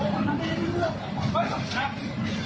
ขอบคุณครับ